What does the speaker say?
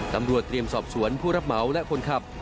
ตำรวจเตรียมสอบสวนผู้รับเหมาและคนขับ